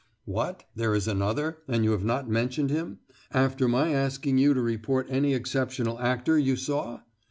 "What, there is another, and you have not mentioned him after my asking you to report any exceptional actor you saw?"